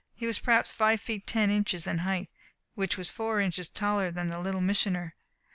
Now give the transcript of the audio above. He was perhaps five feet ten inches in height, which was four inches taller than the Little Missioner.